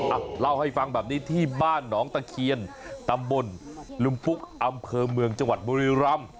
เล่าให้ฟังแบบนี้ที่บ้านหนองตะเคียนตำบลลุมพุกอำเภอเมืองจังหวัดบุรีรำ